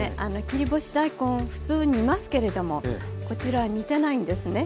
切り干し大根普通煮ますけれどもこちらは煮てないんですね。